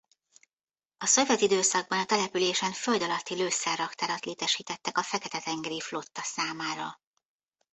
A szovjet időszakban a településen földalatti lőszerraktárat létesítettek a Fekete-tengeri Flotta számára.